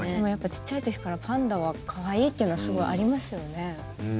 小っちゃい時からパンダは可愛いというのはすごいありますよね。